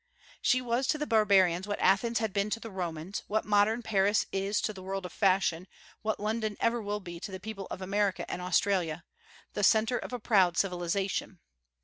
She was to the barbarians what Athens had been to the Romans, what modern Paris is to the world of fashion, what London ever will be to the people of America and Australia, the centre of a proud civilization.